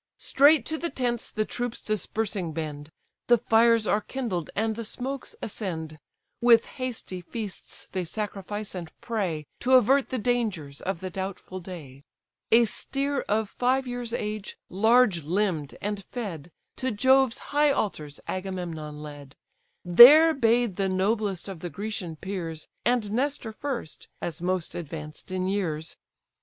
Straight to the tents the troops dispersing bend, The fires are kindled, and the smokes ascend; With hasty feasts they sacrifice, and pray, To avert the dangers of the doubtful day. A steer of five years' age, large limb'd, and fed, To Jove's high altars Agamemnon led: There bade the noblest of the Grecian peers; And Nestor first, as most advanced in years.